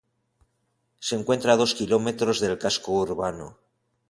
Se encuentra a dos kilómetros del casco urbano.